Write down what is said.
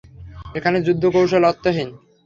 এখানে যুদ্ধ কৌশল অর্থহীন।